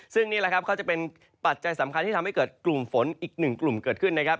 ซึ่งนี่แหละครับเขาจะเป็นปัจจัยสำคัญที่ทำให้เกิดกลุ่มฝนอีกหนึ่งกลุ่มเกิดขึ้นนะครับ